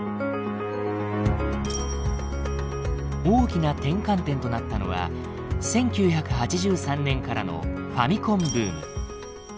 大きな転換点となったのは１９８３年からのファミコンブーム。